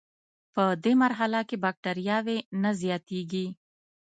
پدې مرحله کې بکټریاوې نه زیاتیږي.